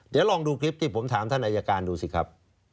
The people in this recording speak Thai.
เดี๋ยวลองดูคลิปที่ผมถามท่านอายการดูสิครับ